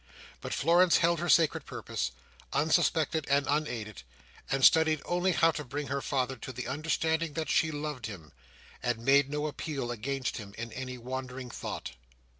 But Florence held her sacred purpose, unsuspected and unaided: and studied only how to bring her father to the understanding that she loved him, and made no appeal against him in any wandering thought.